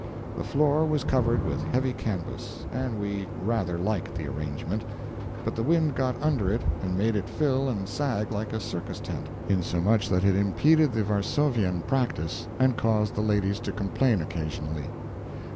The floor was covered with heavy canvass, and we rather liked the arrangement—but the wind got under it and made it fill and sag like a circus tent, insomuch that it impeded the Varsovienne practice, and caused the ladies to complain occasionally.